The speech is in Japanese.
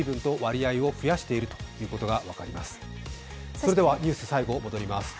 それではニュース最後に戻ります。